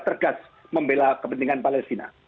tergas membela kepentingan palestina